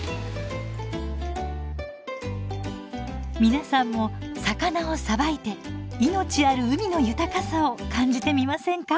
皆さんも魚をさばいて命ある海の豊かさを感じてみませんか？